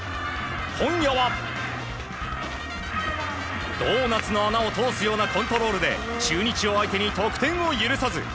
今夜は、ドーナツの穴を通すようなコントロールで中日を相手に得点を許さず。